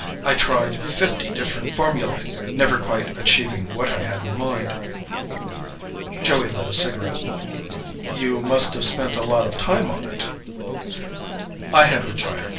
I tried fifty different formulae never quite achieving what I had in mind." Joey lit a cigarette. "You must have spent a lot of time on it." "I had retired.